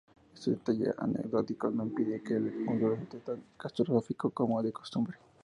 Este detalle anecdótico no impide que el conjunto resulte tan catastrófico como de costumbre.